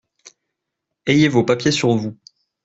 Ayez vos papiers sur vous.